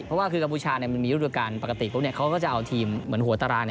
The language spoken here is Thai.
เพราะว่ากาบูชามีธุรการปกติเพราะว่าเขาก็จะเอาทีมเหมือนหัวตรา